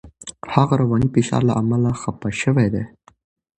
هغه د رواني فشار له امله خپه شوی دی.